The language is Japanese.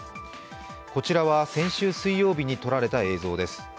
こちらは先週水曜日に撮られた映像です。